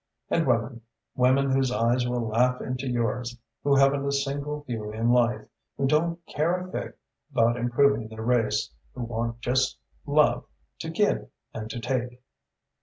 And women women whose eyes will laugh into yours, who haven't a single view in life, who don't care a fig about improving their race, who want just love, to give and to take?"